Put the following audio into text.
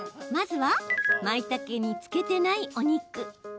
まずはまいたけにつけていないお肉。